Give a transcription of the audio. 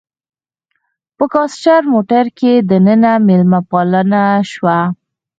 په کاسټر موټر کې دننه میلمه پالنه شوه.